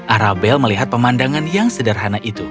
arabel melihat pemandangan yang sederhana itu